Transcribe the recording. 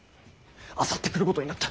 あさって来ることになった。